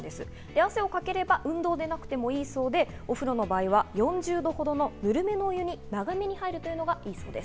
汗をかければ運動でなくてもいいそうで、お風呂の場合は４０度ほどのぬるめのお湯に長めに入るのがいいそうです。